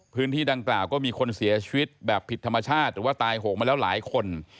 พื้นที่ดังกล่าวก็มีคนเสียชีวิตแบบผิดธรรมชาติหรือว่าตายโหงมาแล้วหลายคน